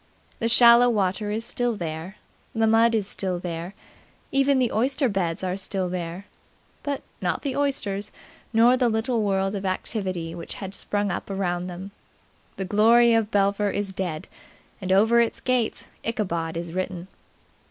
The shallow water is still there; the mud is still there; even the oyster beds are still there; but not the oysters nor the little world of activity which had sprung up around them. The glory of Belpher is dead; and over its gates Ichabod is written.